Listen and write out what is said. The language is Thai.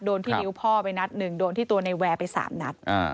ที่นิ้วพ่อไปนัดหนึ่งโดนที่ตัวในแวร์ไป๓นัด